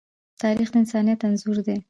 تاریخ د انسانیت انځور دی.